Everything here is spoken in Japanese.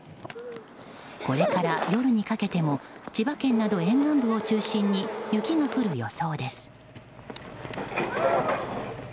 これから、夜にかけても千葉県など沿岸部を中心に雪が降る予想です。